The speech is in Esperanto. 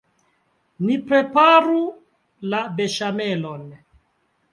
Ni preparu la beŝamelon.